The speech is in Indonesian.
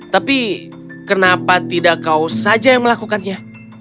tapi kenapa tidak kau saja yang melakukannya